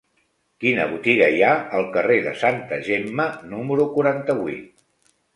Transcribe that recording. Quina botiga hi ha al carrer de Santa Gemma número quaranta-vuit?